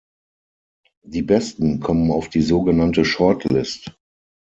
Die Besten kommen auf die so genannte "Shortlist".